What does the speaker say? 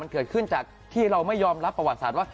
เกิดขึ้นจากที่เราไม่ยอมรับประวัติศาสตร์ว่า